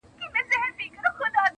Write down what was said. • د غوجلې صحنه يادېږي بيا بيا,